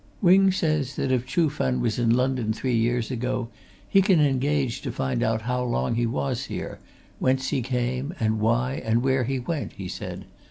"Wing says that if Chuh Fen was in London three years ago he can engage to find out how long he was here, whence he came and why, and where he went," he said.